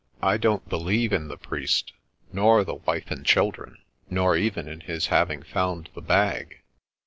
I don't believe in the priest, nor the wife and children, nor even in his having found the bag."